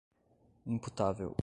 imputável